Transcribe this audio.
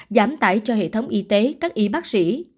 giảm tải cho hệ thống y tế các y bác sĩ